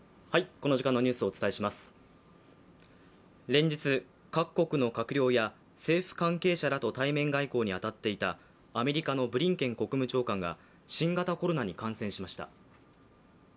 連日、各国の閣僚や政府関係者らと対面外交に当たっていたアメリカのブリンケン国務長官が新型コロナに感染しました。